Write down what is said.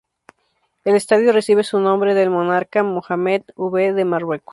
El estadio recibe su nombre del monarca Mohammed V de Marruecos.